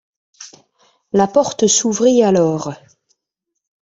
La porte s’ouvrit alors.